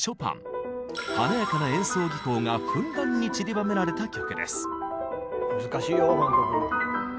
華やかな演奏技巧がふんだんにちりばめられた曲です。